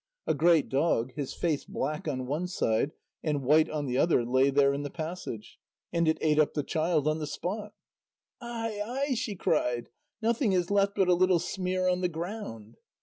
A great dog, his face black on one side and white on the other, lay there in the passage, and it ate up the child on the spot. "Ai ai," she cried. "Nothing is left but a little smear on the ground."